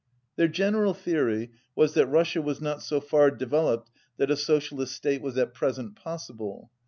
Their general the ory was that Russia was not so far developed that a Socialist State was at present possible.